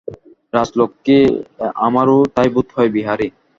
রাজলক্ষ্মী, আমারও তাই বোধ হয় বিহারী।